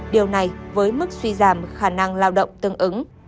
điều này với mức suy giảm khả năng lao động tương ứng